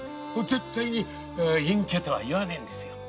絶対に「隠居」とは言わねぇんですよ。